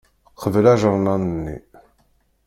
Kbel ajernan-nni.